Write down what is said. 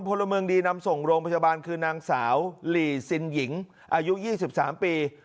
พลเมิงดีนำส่งโรงพยาบาลคือนางสาวลีซินหญิงอายุยี่สิบสามปี